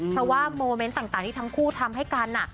เพราะว่าโมเมนต์ต่างที่ทั้งคู่ทำให้กัน